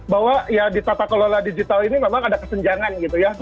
bahwa ya di tata kelola digital ini memang ada kesenjangan gitu ya